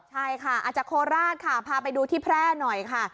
ใช่ค่ะอาจจะโคราชค่ะพาไปดูที่แพร่หน่อยค่ะ